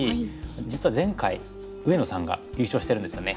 実は前回上野さんが優勝してるんですよね。